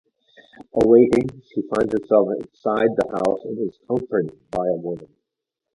Awaking, she finds herself inside the house and is comforted by a woman.